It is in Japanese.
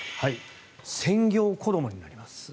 専業子どもになります。